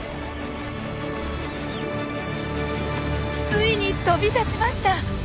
ついに飛び立ちました！